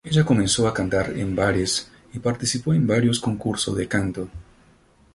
Ella comenzó a cantar en bares y participó en varios concursos de canto.